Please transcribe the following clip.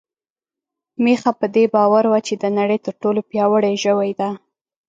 میښه په دې باور وه چې د نړۍ تر ټولو پياوړې ژوی ده.